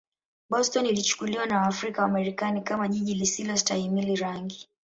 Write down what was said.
Boston ilichukuliwa na Waafrika-Wamarekani kama jiji lisilostahimili rangi.